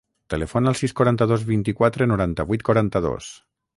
Telefona al sis, quaranta-dos, vint-i-quatre, noranta-vuit, quaranta-dos.